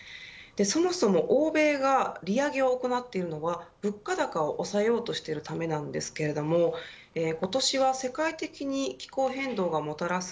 そもそも欧米が利上げを行っているのは物価高を抑えようとしているためなんですけれど今年は世界的に気候変動がもたらす